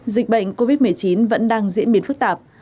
dịch bệnh covid một mươi chín vẫn đang diễn biến phức tạp